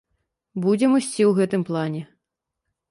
Будзем ісці ў гэтым плане.